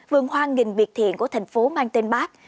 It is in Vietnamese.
vườn hoa nghìn biệt thiện của thành phố mang tên bát